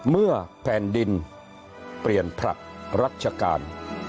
เมื่อแผ่นดินเปลี่ยนผลักรัชกาล